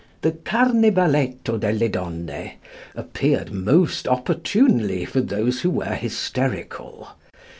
The "Carnevaletto delle Donne" appeared most opportunely for those who were hysterical.